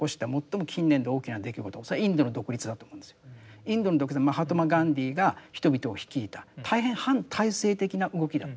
インドの独立マハトマ・ガンディーが人々を率いた大変反体制的な動きだった。